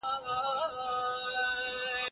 ایا په ساینس کي څېړنه په ګډه کېږي؟